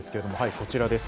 こちらです。